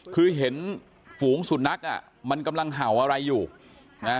คือเห็นฝูงสุนัขอ่ะมันกำลังเห่าอะไรอยู่นะ